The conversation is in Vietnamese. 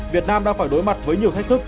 việt nam đang phải đối mặt với nhiều thách thức